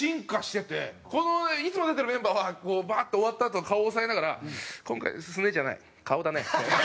このいつも出てるメンバーはバーッと終わったあと顔を押さえながら「今回すねじゃない」。